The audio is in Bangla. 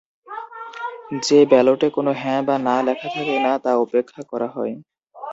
যে ব্যালটে কোন "হ্যাঁ" বা "না" লেখা থাকে না তা উপেক্ষা করা হয়।